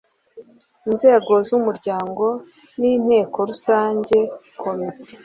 Inzego z umuryango ni Inteko Rusange Komite